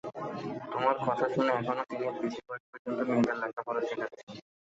তোমারই কথা শুনে এখনো তিনি বেশি বয়স পর্যন্ত মেয়েদের লেখাপড়া শেখাচ্ছেন।